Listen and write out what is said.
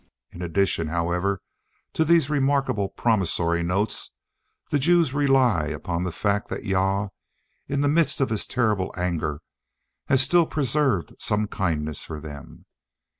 In addition, however, to these remarkable promissory notes, the Jews rely upon the fact that Jah, in the midst of his terrible anger, has still preserved some kindness for them.